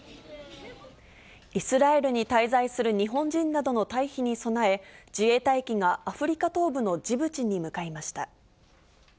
イスラエルに滞在する日本人などの退避に備え、自衛隊機がアフリカ東部のジブチに向かいました。